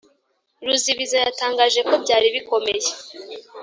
ruzibiza yatangaje ko byari bikomeye